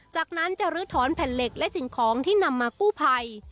จากนั้นจะลื้อถอนแผ่นเหล็กและสิ่งของที่นำมากู้ภัย